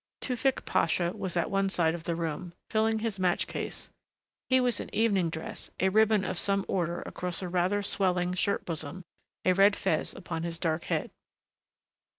Tewfick Pasha was at one side of the room, filling his match case. He was in evening dress, a ribbon of some order across a rather swelling shirt bosom, a red fez upon his dark head.